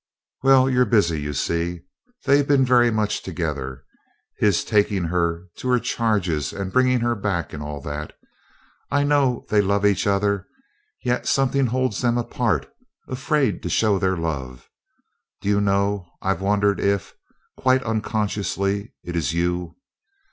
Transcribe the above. "Well, you're busy, you see. They've been very much together his taking her to her charges, bringing her back, and all that. I know they love each other; yet something holds them apart, afraid to show their love. Do you know I've wondered if quite unconciously, it is you?